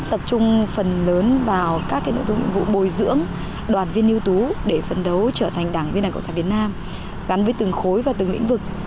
tập trung phần lớn vào các nội dung nhiệm vụ bồi dưỡng đoàn viên ưu tú để phấn đấu trở thành đảng viên đảng cộng sản việt nam gắn với từng khối và từng lĩnh vực